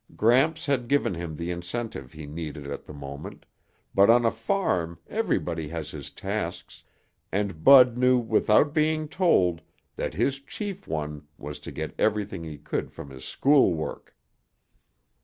Gramps had given him the incentive he needed at the moment, but on a farm everybody has his tasks and Bud knew without being told that his chief one was to get everything he could from his school work.